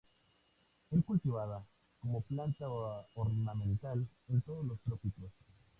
El cultivada como planta ornamental en todos los trópicos.